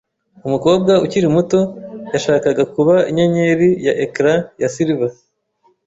Umukobwa ukiri muto yashakaga kuba inyenyeri ya ecran ya silver.